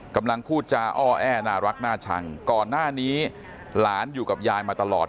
พูดจาอ้อแอน่ารักน่าชังก่อนหน้านี้หลานอยู่กับยายมาตลอด